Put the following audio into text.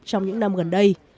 trong những năm gần đây